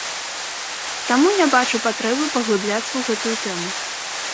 Таму не бачу патрэбы паглыбляцца ў гэтую тэму.